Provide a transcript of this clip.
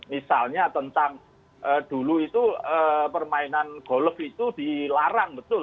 misalnya tentang dulu itu permainan golf itu dilarang betul